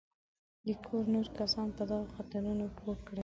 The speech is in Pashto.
د کور نور کسان په دغو خطرونو پوه کړي.